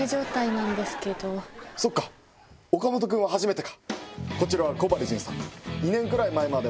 そっか岡本君は初めてかこちらは古張巡査。